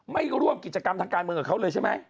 ไม่ร่วมกิจกรรมทางการเมืองกับเขาเลยใช่ไหม